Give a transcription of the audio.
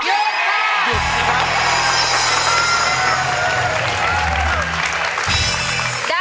หยุดครับ